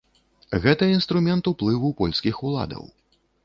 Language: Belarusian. Гэта інструмент уплыву польскіх уладаў.